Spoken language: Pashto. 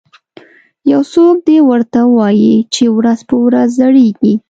یو څوک دې ورته ووایي چې ورځ په ورځ زړیږي